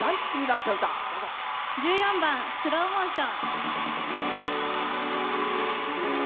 １４番「スローモーション」。